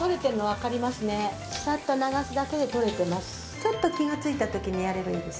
ちょっと気がついた時にやればいいですね。